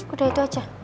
udah itu aja